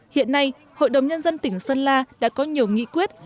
hiện nay hội đồng nhân dân tỉnh sơn la đã có nhiều nghị quyết